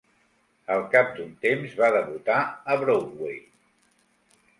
Al cap d'un temps va debutar a Broadway.